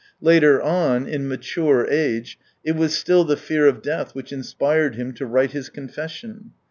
Later on, in mature age, it was still the fear of death which inspired him to write his confession.